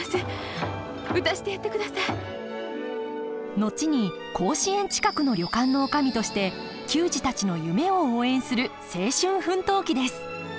後に甲子園近くの旅館の女将として球児たちの夢を応援する青春奮闘記です。